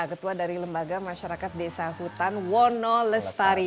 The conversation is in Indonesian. ketua dari lembaga masyarakat desa hutan wonolestari